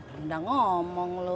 rendah ngomong lu